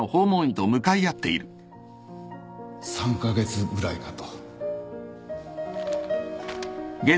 ３カ月ぐらいかと